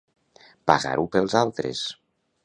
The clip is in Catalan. Pagar-ho pels altres.